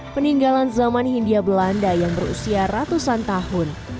peninggalan zaman hindia belanda yang berusia ratusan tahun